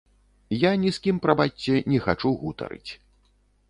Я ні з кім, прабачце, не хачу гутарыць.